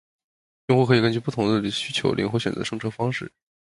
用户可以根据不同的需求灵活选择生成方式